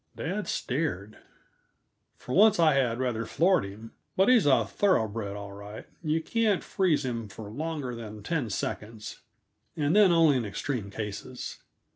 Dad stared. For once I had rather floored him. But he's a thoroughbred, all right; you can't feaze him for longer than ten seconds, and then only in extreme cases.